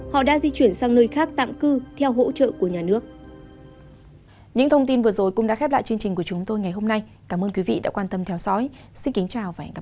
họ đang di chuyển sang nơi khác tạm cư theo hỗ trợ của nhà nước